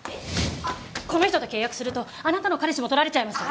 この人と契約するとあなたの彼氏も取られちゃいますよ